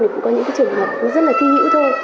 cũng có những cái trường hợp rất là thi hữu thôi